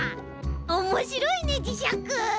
おもしろいねじしゃく！